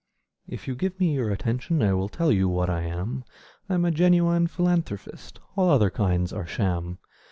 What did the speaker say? If you give me your attention, I will tell you what I am: I'm a genuine philanthropist all other kinds are sham.